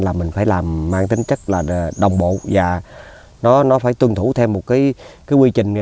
là mình phải làm mang tính chất là đồng bộ và nó phải tuân thủ thêm một cái quy trình